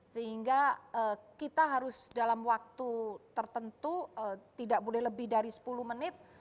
sehingga kita harus dalam waktu tertentu tidak boleh lebih dari sepuluh menit